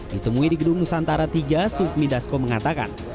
ditemui di gedung nusantara iii sufmi dasko mengatakan